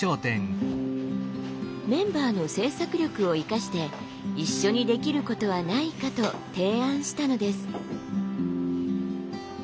メンバーの制作力を生かして一緒にできることはないかと提案したのです。